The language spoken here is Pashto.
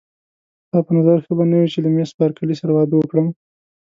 ستا په نظر ښه به نه وي چې له مېس بارکلي سره واده وکړم.